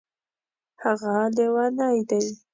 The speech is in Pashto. هغه لیونی دی